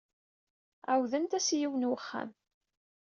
Ɛawdent-as i yiwen n wexxam.